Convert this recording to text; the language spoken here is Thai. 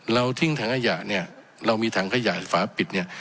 ทิ้งถังขยะเนี่ยเรามีถังขยะฝาปิดเนี่ย